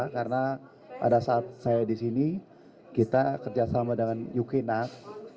karena pada saat saya di sini kita kerjasama dengan uknag